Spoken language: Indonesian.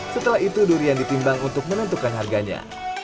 setelah itu durian ditimbang untuk menentukan harganya